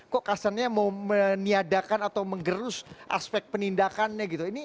kok kasarnya mau meniadakan atau menggerus aspek penindakannya gitu